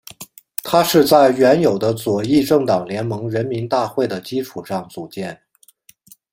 它是在原有的左翼政党联盟人民大会的基础上组建。